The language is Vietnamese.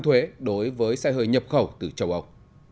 thuế đối với xe hơi nhập khẩu từ châu âu